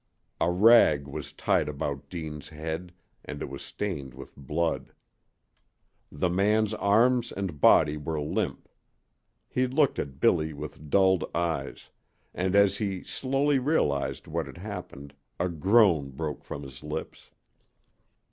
A rag was tied about Deane's head, and it was stained with blood. The man's arms and body were limp. He looked at Billy with dulled eyes, and as he slowly realized what had happened a groan broke from his lips.